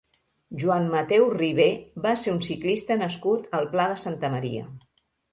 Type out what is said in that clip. Joan Mateu Ribé va ser un ciclista nascut al Pla de Santa Maria.